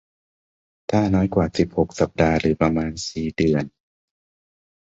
ถ้าน้อยกว่า สิบหก สัปดาห์หรือประมาณ สี่ เดือน